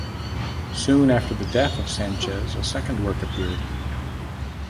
Soon after the death of Sanchez a second work appeared.